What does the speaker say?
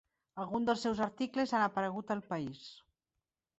Alguns dels seus articles han aparegut a El País.